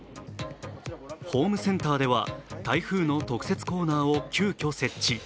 ホームセンターでは台風の特設コーナーを急きょ設置。